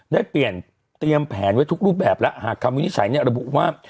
ได้เปลี่ยนเตรียมแผนไว้ทุกรูปแบบแล้วหากคำวินิจฉัยเนี่ยระบุว่า